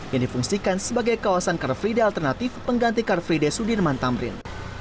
yang difungsikan sebagai kawasan car free day alternatif pengganti car free day sudirman tamrin